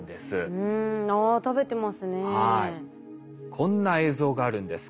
こんな映像があるんです。